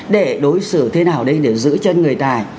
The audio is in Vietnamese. để đối xử thế nào đây để giữ chân người tài